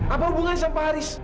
apa hubungannya sama pak haris